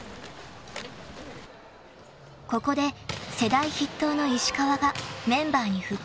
［ここで世代筆頭の石川がメンバーに復帰を果たした］